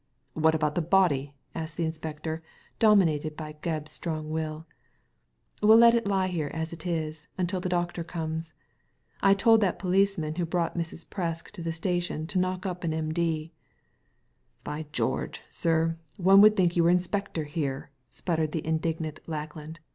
"What about the body?" asked the inspector, dominated by Gebb's strong will " We'll let it lie here as it is, until the doctor comes. I told that policeman who brought Mrs. Fresk to the station to knock up an M.D." "By George, sir, one would think you were in spector here !" spluttered the indignant Lackland.